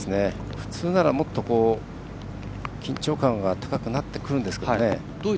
普通なら、もっと緊張感が高くなってくるんですけどね。